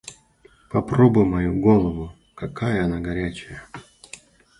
Попробуй мою голову, какая она горячая.